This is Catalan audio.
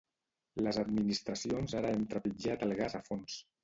Les administracions ara hem trepitjat el gas a fons